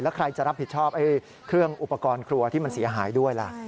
แล้วใครจะรับผิดชอบเครื่องอุปกรณ์ครัวที่มันเสียหายด้วยล่ะ